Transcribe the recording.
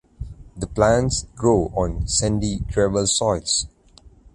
The plants grow on sandy gravel soils.